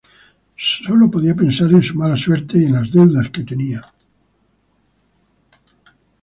Sólo podía pensar en su mala suerte y en las deudas que tenía.